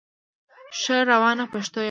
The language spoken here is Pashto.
ښه روانه پښتو یې ویله